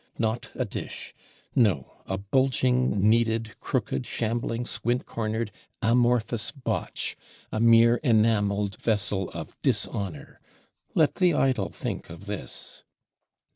Not a dish; no, a bulging, kneaded, crooked, shambling, squint cornered, amorphous botch, a mere enameled vessel of dishonor! Let the idle think of this.